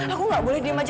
aku gak boleh diem aja